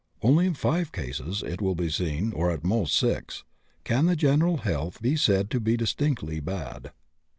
Only in 5 cases, it will be seen, or at most 6, can the general health be said to be distinctly bad.